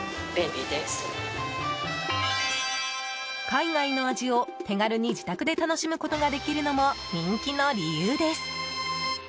海外の味を、手軽に自宅で楽しむことができるのも人気の理由です。